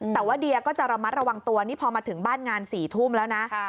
แต่ว่าเดียก็จะระมัดระวังตัวนี่พอมาถึงบ้านงาน๔ทุ่มแล้วนะ